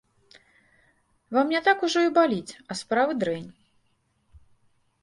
Вам не так ужо і баліць, а справы дрэнь.